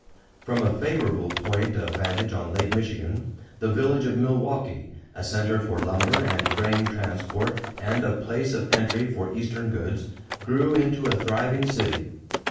From a favorable point of vantage on Lake Michigan, the village of Milwaukee, a center for lumber and grain transport and a place of entry for Eastern goods, grew into a thriving city.